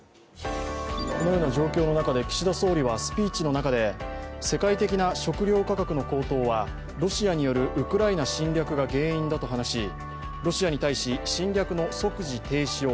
このような状況の中で岸田総理はスピーチの中で世界的な食糧価格の高騰はロシアによるウクライナ侵略が原因だと話し、ロシアに対し侵略の即時停止を